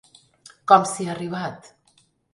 Com s’hi ha arribat?